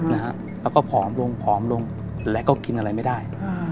แล้วก็ผอมลงผอมลงแล้วก็กินอะไรไม่ได้